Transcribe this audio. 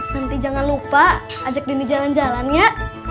nanti jangan lupa ajak dini jalan jalannya